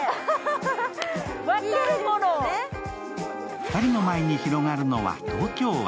２人の前に広がるのは東京湾。